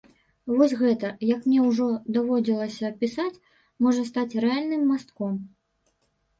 Вось гэта, як мне ўжо даводзілася пісаць, можа стаць рэальным мастком.